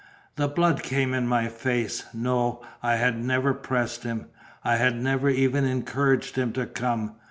The blood came in my face. No; I had never pressed him; I had never even encouraged him to come.